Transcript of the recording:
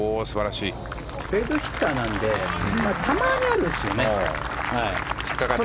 フェードヒッターなんでたまにあるんですよね。